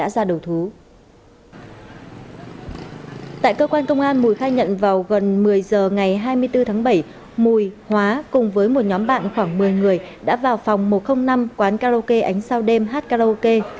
mùi hóa cùng với một nhóm bạn khoảng một mươi người đã vào phòng một trăm linh năm quán karaoke ánh sao đêm hát karaoke